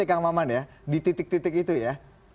kang maman ya di titik titik itu ya